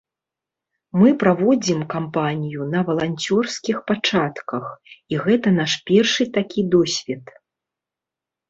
Мы праводзім кампанію на валанцёрскіх пачатках, і гэта наш першы такі досвед.